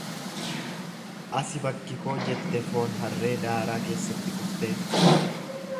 Asi bakki koo jette foon harree daaraa keessatti kuftee.